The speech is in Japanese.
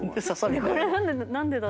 これ何でだろ？